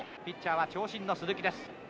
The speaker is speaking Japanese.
ピッチャーは長身の鈴木です。